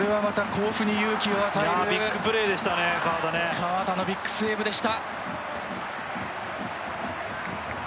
河田のビッグセーブでした。